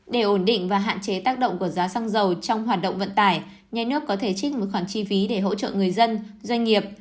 để ổn định và hạn chế tác động của giá xăng dầu trong hoạt động vận tải nhà nước có thể trích một khoản chi phí để hỗ trợ người dân doanh nghiệp